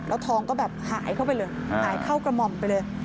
แล้วทองก็แบบหายเข้าไปเลยหายเข้ากระหม่อมไปเลย